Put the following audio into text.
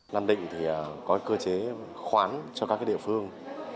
nam định thì có cơ chế khoán cho các địa phương